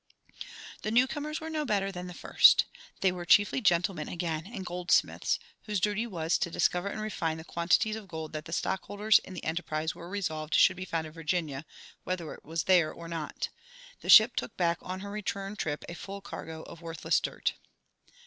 The newcomers were no better than the first. They were chiefly "gentlemen" again, and goldsmiths, whose duty was to discover and refine the quantities of gold that the stockholders in the enterprise were resolved should be found in Virginia, whether it was there or not. The ship took back on her return trip a full cargo of worthless dirt.